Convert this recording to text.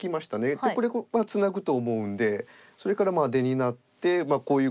でこれはツナぐと思うんでそれから出になってこういうことになるのか。